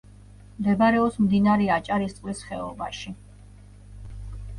მდებარეობს მდინარე აჭარისწყლის ხეობაში.